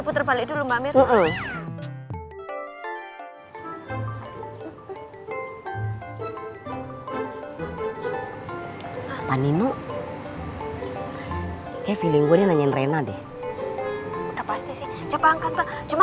pani no keviling gue nanyain rena deh udah pasti sih coba angkat cuma